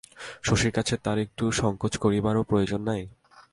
শশীর কাছে তার একটু সংকোচ করিবারও প্রয়োজন নাই?